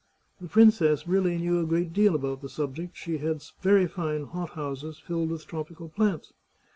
The princess really knew a great deal about the subject; she had very fine hot houses filled with tropical plants.